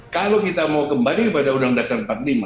kalau kita mau kembali pada undang dasar empat puluh lima